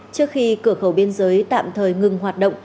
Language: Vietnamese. trước khi cửa khẩu biên giới tạm thời ngừng hoạt động